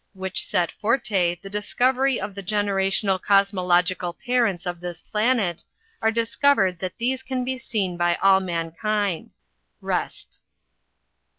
Which set forte the discovery of the generational cosmological Parents of this planet, are discovered that these can be seen by all mankind. "Resp."